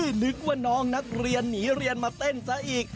นึกว่าน้องนักเรียนหนีเรียนมาเต้นซะอีก